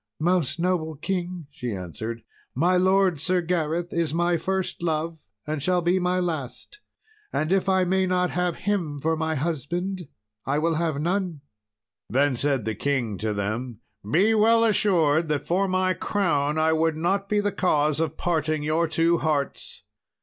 "Most noble king," she answered, "my lord, Sir Gareth, is my first love and shall be my last, and if I may not have him for my husband I will have none." Then said the king to them, "Be well assured that for my crown I would not be the cause of parting your two hearts."